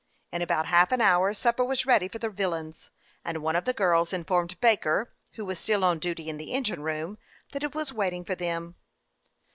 In about half an hour sup per was ready for the villains, and 'one of the girls informed Baker, who was still on duty in the engine room, that it was waiting for them.